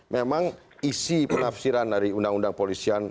memang isi penafsiran dari undang undang polisian